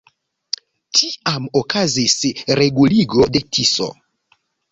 Tiam okazis reguligo de Tiso.